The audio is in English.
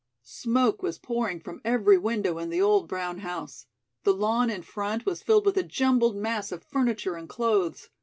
Smoke was pouring from every window in the old brown house. The lawn in front was filled with a jumbled mass of furniture and clothes.